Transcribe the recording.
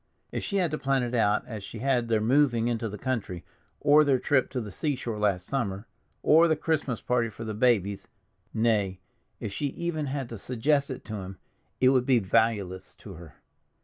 If she had to plan it out as she had their moving into the country, or their trip to the seashore last summer, or the Christmas party for the babies—nay, if she even had to suggest it to him, it would be valueless to her.